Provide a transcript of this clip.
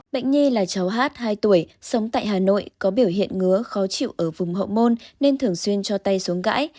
bệnh nhi là cháu hát hai tuổi sống tại hà nội có biểu hiện ngứa khó chịu ở vùng hậu môn nên thường xuyên cho tay xuống gãi